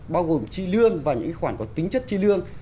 bao gồm chi lương và những khoản có tính chất chi lương